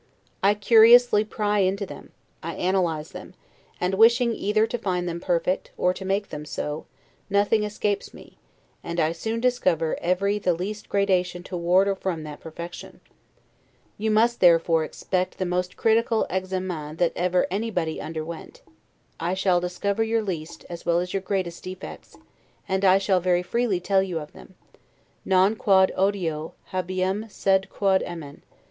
I curiously pry into them; I analyze them; and, wishing either to find them perfect, or to make them so, nothing escapes me, and I soon discover every the least gradation toward or from that perfection. You must therefore expect the most critical 'examen' that ever anybody underwent. I shall discover your least, as well as your greatest defects, and I shall very freely tell you of them, 'Non quod odio habeam sed quod amem'.